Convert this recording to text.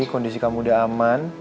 kondisi kamu udah aman